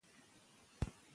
شکونه لرې کړئ.